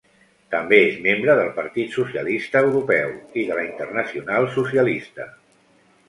També és membre del Partit Socialista Europeu i de la Internacional Socialista.